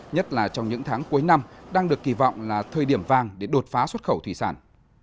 nhất là trong những tháng cuối năm đang được kỳ vọng là thời điểm vàng để đột phá xuất khẩu thủy sản